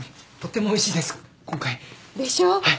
とてもおいしいです今回。でしょ？